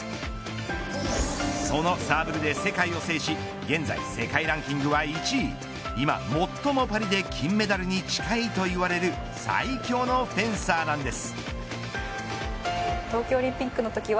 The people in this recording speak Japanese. そのサーブルで世界を制し現在世界ランキングは１位今、最もパリで金メダルに近いといわれる最強のフェンサーなんです。